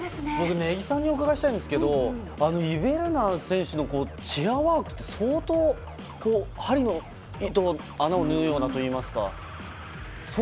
根木さんにお伺いしたいんですけどイベルナ選手のチェアワーク相当、針の穴を縫うようなといいますか。